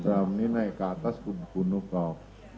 berani naik ke atas ku bunuh kau